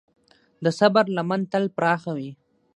د صبر لمن تل پراخه وي.